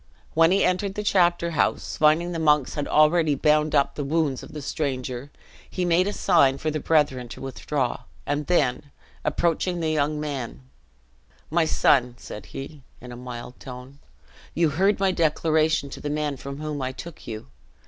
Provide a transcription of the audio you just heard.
When he entered the chapter house, finding the monks had already bound up the wounds of the stranger, he made a sign for the brethren to withdraw: and then, approaching the young man, "My son," said he, in a mild tone, "you heard my declaration to the men from whom I took you!